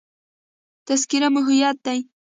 تذکره مو هویت دی.